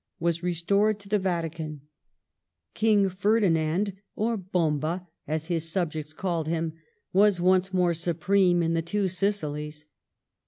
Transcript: was restored to the Vatican ; King Ferdinand, or " Bomba " as his subjects called him, was once more supreme in the two Sicilies.